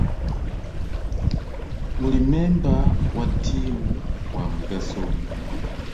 Buli member wa tiimu wa mugaso.